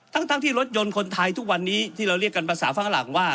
ทั้งที่รถยนต์คนไทยทุกวันนี้ที่เราเรียกกันภาษาฝรั่งว่า